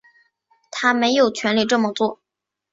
他没有权力这么做